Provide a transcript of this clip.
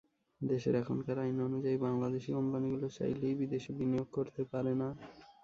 দেশের এখনকার আইন অনুযায়ী বাংলাদেশি কোম্পানিগুলো চাইলেই বিদেশে বিনিয়োগ করতে পারে না।